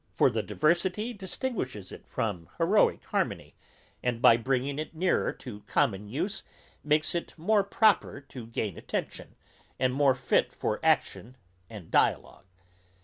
For the diversity distinguishes it from heroick harmony, and by bringing it nearer to common use makes it more proper to gain attention, and more fit for action and dialogue.